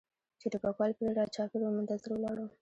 چې ټوپکوال پرې را چاپېر و منتظر ولاړ و.